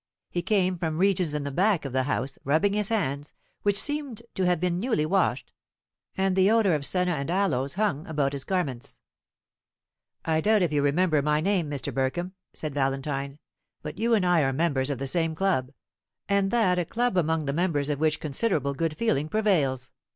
He came from regions in the back of the house, rubbing his hands, which seemed to have been newly washed, and the odour of senna and aloes hung about his garments. "I doubt if you remember my name, Mr. Burkham," said Valentine; "but you and I are members of the same club, and that a club among the members of which considerable good feeling prevails.